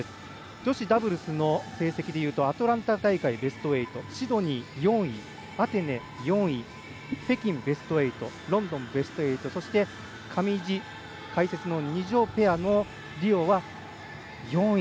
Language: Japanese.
女子ダブルスの成績でいうとアトランタ大会、ベスト８シドニー、４位アテネ４位、北京ベスト８ロンドン、ベスト８そして、上地、解説の二條ペアのリオは４位。